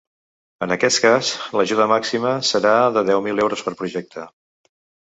En aquest cas, l’ajuda màxima serà de deu mil euros per projecte.